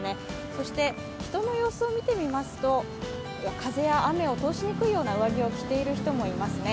そして人の様子を見てみますと風や雨を通しにくいような上着を着ている人もいますね。